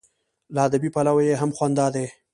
له ادبي پلوه یې هم خوند دا دی.